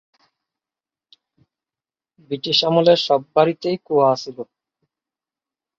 British আমলে সব বাড়িতেই কুয়া আছিল।